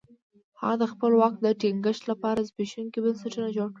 هغه د خپل واک د ټینګښت لپاره زبېښونکي بنسټونه جوړ کړل.